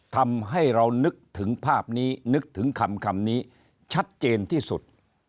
ทำให้เรานึกถึงภาพนี้นึกถึงคำนี้ชัดเจนที่สุด